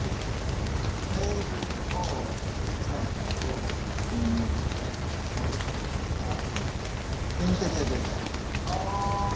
テーブルを一枚板を購入できたりとかするっていうことは、インテリアデザイナー。